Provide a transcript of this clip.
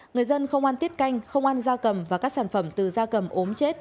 người dân không ăn tiết canh không ăn da cầm và các sản phẩm từ da cầm ốm chết